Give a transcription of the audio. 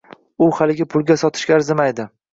U hali pulga sotishga arzimaydi.